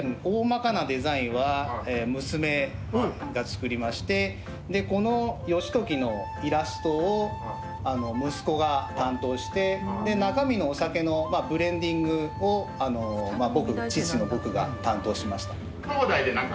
大まかなデザインは娘が作りましてこの義時のイラストを息子が担当して中身のお酒のブレンディングを父の僕が担当しました。